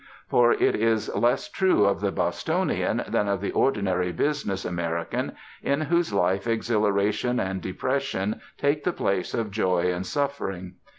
For it is less true of the Bostonian than of the ordinary business American, in whose life exhilaration and depression take the place of joy and suffering.